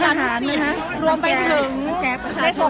ก็ไม่มีใครกลับมาเมื่อเวลาอาทิตย์เกิดขึ้น